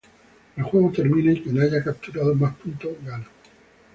El juego termina y quien haya capturado mas puntos gana.